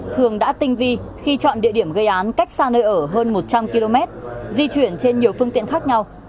thường đã tinh vi khi chọn địa điểm gây án cách xa nơi ở hơn một trăm linh km di chuyển trên nhiều phương tiện khác nhau